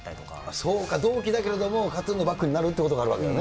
そうか、同期だけれども、ＫＡＴーＴＵＮのバックになるってこともあるんだね。